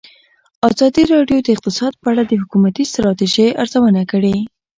ازادي راډیو د اقتصاد په اړه د حکومتي ستراتیژۍ ارزونه کړې.